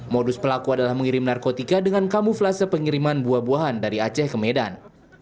modus pelaku adalah mengirim narkotika dengan kamuflase pengiriman buah buahan dari aceh ke medan